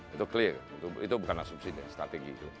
itu jelas itu bukan asumsi